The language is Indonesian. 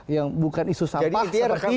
yang bukan isu sampah